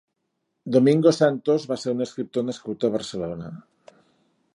Domingo Santos va ser un escriptor nascut a Barcelona.